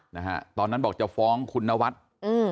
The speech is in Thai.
นะฮะตอนนั้นบอกจะฟ้องคุณนวัดอืม